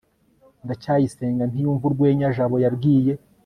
ndacyayisenga ntiyumva urwenya jabo yabwiye